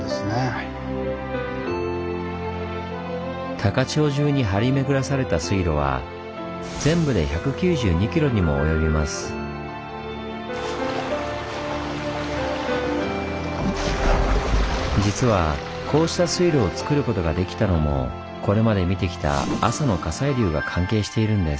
高千穂じゅうに張り巡らされた水路は実はこうした水路をつくることができたのもこれまで見てきた阿蘇の火砕流が関係しているんです。